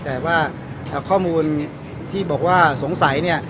แต่ว่าข้อมูลที่บอกว่าสงสัยเนี่ย